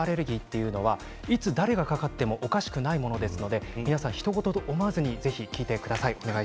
大人の食物アレルギーはいつ、誰がかかってもおかしくないものですのでひと事と思わずに聞いてください。